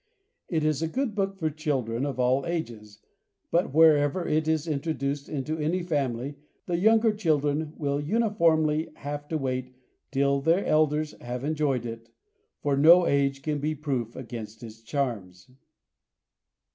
It is a good book for children of all ages, but wherever it is introduced into any family the younger children will uniformly have to wait till their elders have enjoyed it, for no age can be proof against its charms.